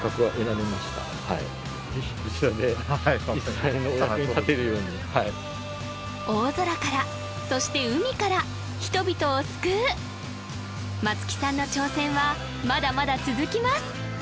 はいぜひこちらで実際にお役に立てるように大空からそして海から人々を救う松木さんの挑戦はまだまだ続きます